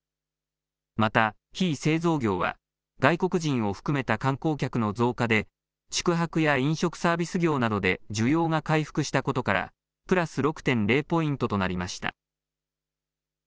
また非製造業は外国人を含めた観光客の増加で宿泊や飲食サービス業などで需要が回復したことからプラス６．０ポイントとなりました。